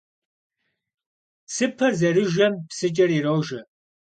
Псыпэр зэрыжэм псыкӀэр ирожэ.